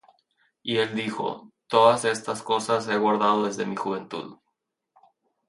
Y él dijo: Todas estas cosas he guardado desde mi juventud.